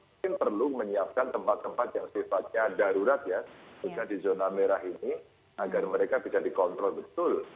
mungkin perlu menyiapkan tempat tempat yang sifatnya darurat ya bisa di zona merah ini agar mereka bisa dikontrol betul